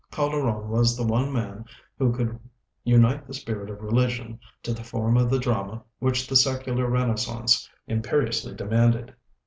Calderon was the one man who could unite the spirit of religion to the form of the drama which the secular renaissance imperiously demanded.